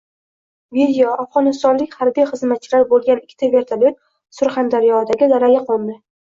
Video: Afg‘onistonlik harbiy xizmatchilar bo‘lgan ikkita vertolyot Surxondaryodagi dalaga qo‘ndi